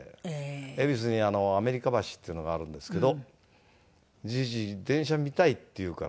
恵比寿にアメリカ橋っていうのがあるんですけど「じいじ電車見たい」って言うから。